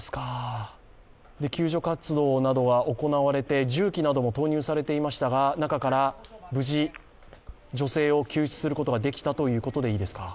救助活動などが行われて重機なども導入されていましたが中から無事、女性を救出することができたということでいいですか？